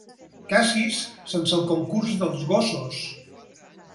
Cacis sense el concurs dels gossos.